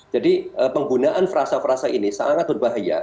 jadi penggunaan frasa frasa ini sangat berbahaya